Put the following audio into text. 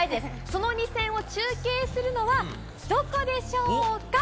その２戦を中継するのはどこでしょうか？